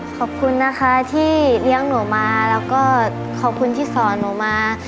ขอบคุณนะคะที่เลี้ยงหนูมาแล้วก็ขอบคุณที่สอนหนูมา